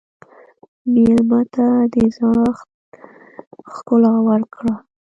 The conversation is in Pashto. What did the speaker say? مېلمه ته د زړښت ښکلا ورکړه.